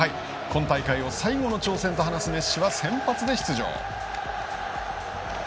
今大会最後の挑戦と話すメッシは先発で出場。